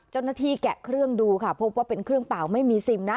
แกะเครื่องดูค่ะพบว่าเป็นเครื่องเปล่าไม่มีซิมนะ